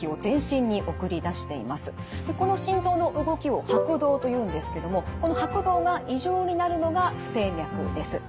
この心臓の動きを拍動というんですけどもこの拍動が異常になるのが不整脈です。